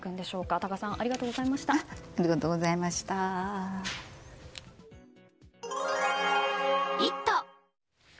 多賀さんありがとうございました。